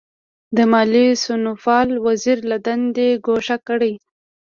د مالیې سمونپال وزیر له دندې ګوښه کړي.